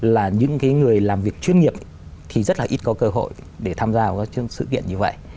là những người làm việc chuyên nghiệp thì rất là ít có cơ hội để tham gia vào các sự kiện như vậy